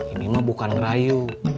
ini mah bukan ngerayu